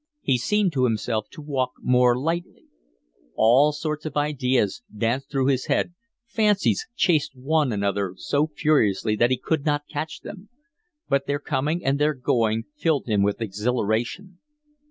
He seemed to himself to walk more lightly. All sorts of ideas danced through his head, fancies chased one another so furiously that he could not catch them; but their coming and their going filled him with exhilaration.